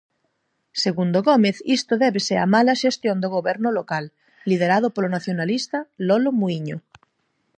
Segundo Gómez isto débese á mala xestión do goberno local, liderado polo nacionalista Lolo Muíño.